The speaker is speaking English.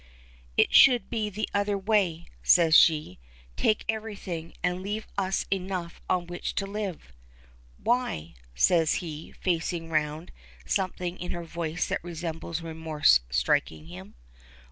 "It should be the other way," says she. "Take everything, and leave us enough on which to live." "Why?" says he, facing round, something in her voice that resembles remorse striking him.